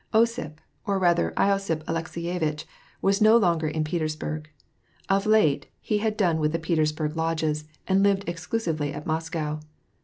Osip, or rather losiph Alekseyevitch, was no longer in Petersburg. Of late, he had done with the Petersburg Lodges, and lived exclusively at Moscow.